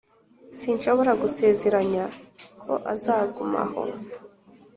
sinshobora gusezeranya ko azagumaho,